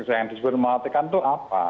yang disebut mematikan itu apa